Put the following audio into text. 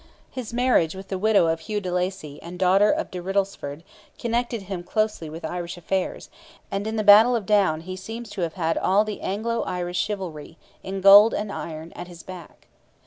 His marriage with the widow of Hugh de Lacy and daughter of de Riddlesford connected him closely with Irish affairs, and in the battle of Down he seems to have had all the Anglo Irish chivalry, "in gold and iron," at his back.